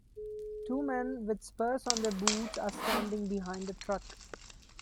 Two men with spurs on their boots are standing behind a truck.